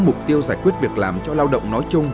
mục tiêu giải quyết việc làm cho lao động nói chung